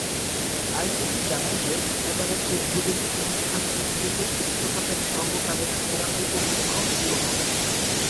ICC জানায় যে, এবারের উদ্বোধনী অনুষ্ঠানটি "‘ক্রিকেট বিশ্বকাপের সর্বকালের সেরা উপভোগ্য শুরু হবে’"।